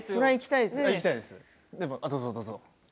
どうぞどうぞ。